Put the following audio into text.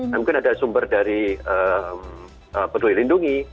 mungkin ada sumber dari peduli lindungi